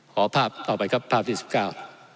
ขอภาพต่อไปครับภาพที่สิบเก้า